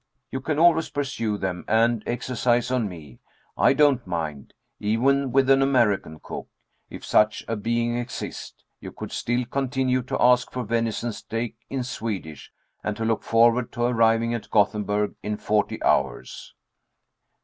You can always pursue them, and exercise on me. I don't mind. Even with an American cook, if such a being exist, you could still continue to ask for venison steak in Swedish, and to look forward to arriving at Gothenburg in forty hours."